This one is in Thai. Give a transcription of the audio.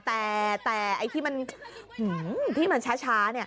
แต่ที่มันเฉ้า